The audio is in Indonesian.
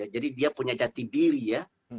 jadi dia punya jati diri ya